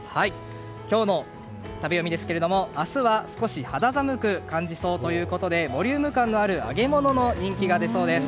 今日の食べヨミ明日は少し肌寒く感じそうということでボリューム感のある揚げ物の人気が出そうです。